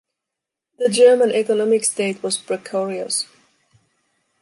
The German economic state was precarious.